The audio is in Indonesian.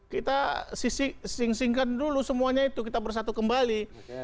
kita sing singkan dulu semuanya itu kita bersatu kembali